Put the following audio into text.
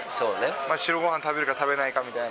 白ごはん食べるか、食べないかみたいな。